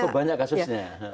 cukup banyak kasusnya